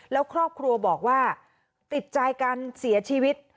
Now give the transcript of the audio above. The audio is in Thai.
แล้วครอบครัวบอกว่าติดใจการเสียชีวิต